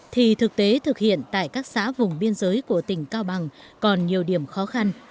thì thực tế thực hiện tại các xã vùng biên giới của tỉnh cao bằng còn nhiều điểm khó khăn